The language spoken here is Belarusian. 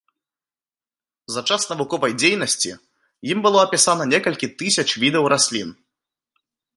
За час навуковай дзейнасці ім было апісана некалькі тысяч відаў раслін.